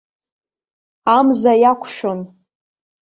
Амза иақәшон.